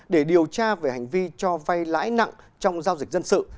để điều tra về hành vi cho vay lãi nặng trong giao dịch dân sự